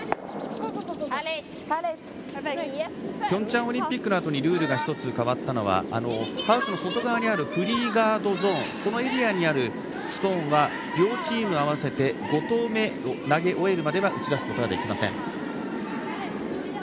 ピョンチャンオリンピックの後にルールが変わったのはハウスの外側にあるフリーガードゾーン、このエリアにあるストーンは両チーム合わせて５投目を投げ終えるまでは打ち出すことができません。